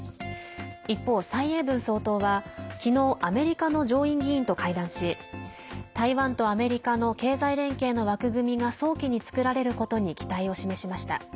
一方、蔡英文総統は、きのうアメリカの上院議員と会談し台湾とアメリカの経済連携の枠組みが早期に作られることに期待を示しました。